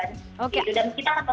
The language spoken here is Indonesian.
dan kita akan melihat aspek hukuman itu